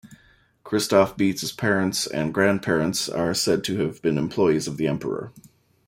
Christoph Beetz' parents and grandparents are said to have been employees of the Emperor.